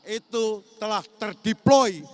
itu telah terdeploy